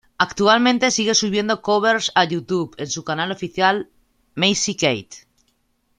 Actualmente sigue subiendo covers a YouTube en su canal oficial Macy Kate.